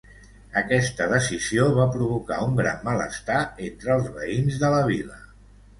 Aquesta decisió va provocar un gran malestar entre els veïns de la vila.